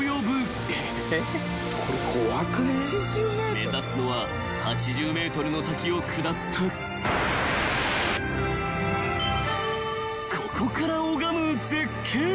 ［目指すのは８０ｍの滝を下ったここから拝む絶景］